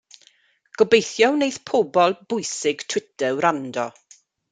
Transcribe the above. Gobeithio wneith pobl bwysig Twitter wrando.